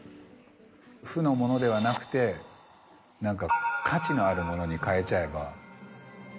負のものではなくて何か価値のあるものに変えちゃえば。